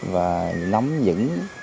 và nắm dững